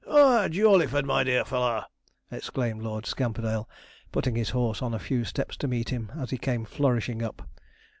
'Ah, Jawleyford, my dear fellow!' exclaimed Lord Scamperdale, putting his horse on a few steps to meet him as he came flourishing up.